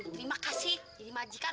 terima kasih jadi majikan